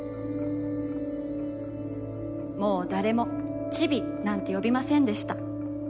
もうだれも、「ちび」なんてよびませんでした。